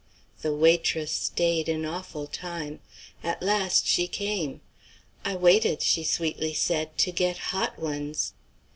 The waitress staid an awful time. At last she came. "I waited," she sweetly said, "to get hot ones."